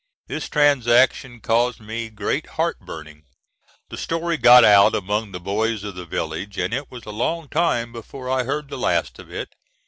This transaction caused me great heart burning. The story got out among the boys of the village, and it was a long time before I heard the last of it.